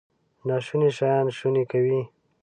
ناشوني شیان شوني کوي.